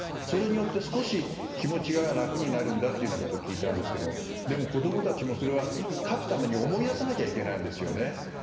それによって少し気持ちが楽になるんだと聞いたんですけどでも、子供たちも描くためには思い出さなきゃいけないんですね。